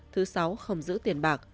thứ sáu không giữ tiền bạc